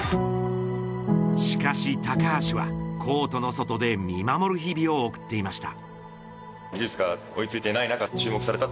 しかし、高橋はコートの外で見守る日々を送っていました。